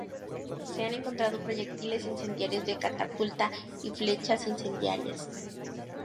Se han encontrado proyectiles incendiarios de catapulta y flechas incendiarias.